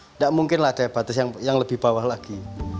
tidak mungkin ada batas yang lebih bawah lagi